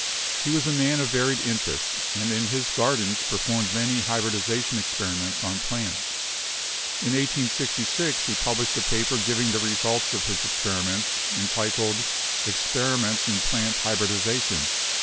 He was a man of varied interests, and in his gardens performed many hybridization experiments on plants. In 1866 he published a paper giving the results of his experiments, entitled 'Experiments in Plant Hybridization.'